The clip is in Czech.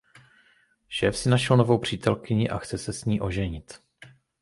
Šéf si našel novou přítelkyni a chce se s ní oženit.